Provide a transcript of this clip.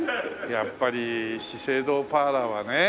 やっぱり資生堂パーラーはね